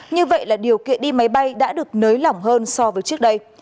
như vậy là điều kiện đi máy bay đã được nới lỏng hơn so với trước đây